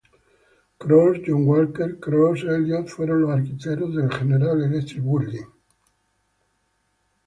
Cross, John Walter; Cross, Eliot fueron los arquitectos del General Electric Building.